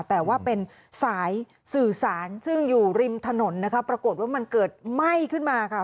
แต่ว่าเป็นสายสื่อสารซึ่งอยู่ริมถนนนะคะปรากฏว่ามันเกิดไหม้ขึ้นมาค่ะ